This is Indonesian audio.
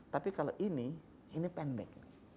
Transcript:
tapi kalau ini ini pendek